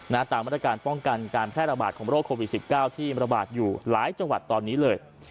ตามราชาการป้องกันการแค่ระบาดโควิด๑๙ที่ระบาดอยู่หลายจังหวัดตอนนี้เลย